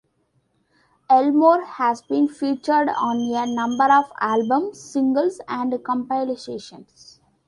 Elmore has been featured on a number of albums, singles, and compilations.